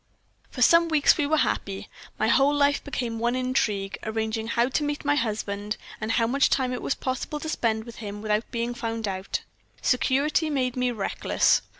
"For some weeks we were happy. My whole life became one intrigue, arranging how to meet my husband, and how much time it was possible to spend with him without being found out. Security made me reckless.